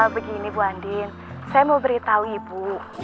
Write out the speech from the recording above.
begini bu andin saya mau beritahu ibu